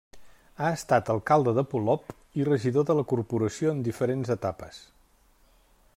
Ha estat alcalde de Polop i regidor de la corporació en diferents etapes.